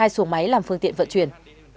hai sổ máy làm phương tiện vận chuyển